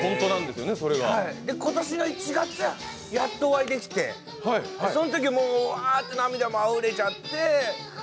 今年の１月、やっとお会いできて、そのときもうわーって涙もあふれちゃって。